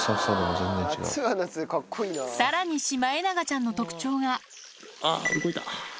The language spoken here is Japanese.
さらにシマエナガちゃんの特ああ、動いた。